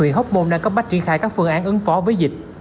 huyện hốc môn đang cấp bắt triển khai các phương án ứng phó với dịch